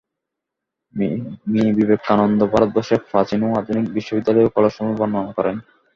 Me Vivekananda ভারতবর্ষের প্রাচীন ও আধুনিক বিশ্ববিদ্যালয় ও কলেজসমূহের বর্ণনা করেন।